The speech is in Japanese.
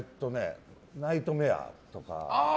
ナイトメアとか。